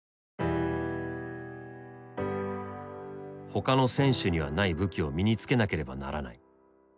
ほかの選手にはない武器を身につけなければならない。